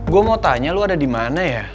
gue mau tanya lu ada di mana ya